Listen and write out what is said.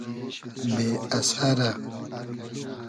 بې اسئرۂ